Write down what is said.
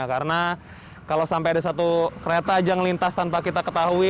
karena kalau sampai ada satu kereta aja ngelintas tanpa kita ketahui